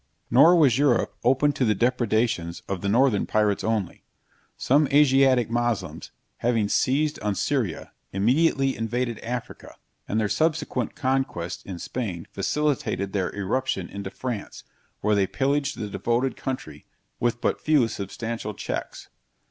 Nor was Europe open to the depredations of the northern pirates only. Some Asiatic moslems, having seized on Syria, immediately invaded Africa, and their subsequent conquests in Spain facilitated their irruption into France, where they pillaged the devoted country, with but few substantial checks.